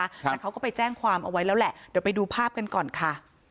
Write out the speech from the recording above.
แต่เขาก็ไปแจ้งความเอาไว้แล้วแหละเดี๋ยวไปดูภาพกันก่อนค่ะ